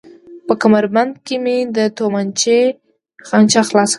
په کمربند کې مې د تومانچې خانچه خلاصه کړل.